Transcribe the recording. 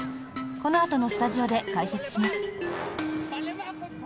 このあとのスタジオで解説します。